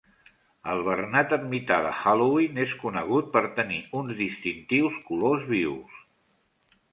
El bernat ermità de Halloween és conegut per tenir uns distintius colors vius.